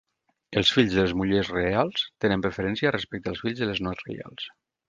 Els fills de les mullers reials tenen preferència respecte als fills de les no reials.